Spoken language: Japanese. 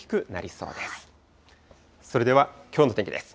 それではきょうの天気です。